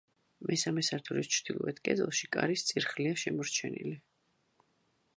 მესამე სართულის ჩრდილოეთ კედელში კარის წირთხლია შემორჩენილი.